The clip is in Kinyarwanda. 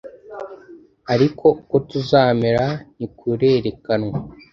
ariko uko tuzamera ntikurerekanwa